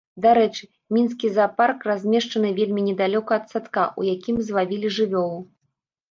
Дарэчы, мінскі заапарк размешчаны вельмі недалёка ад садка, у якім злавілі жывёлу.